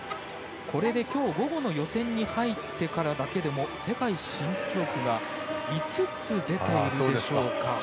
これで、午後の予選に入ってからだけでも世界新記録が５つ出ています。